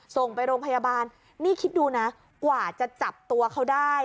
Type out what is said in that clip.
ส่งโรงพยาบาลนี่คิดดูนะกว่าจะจับตัวเขาได้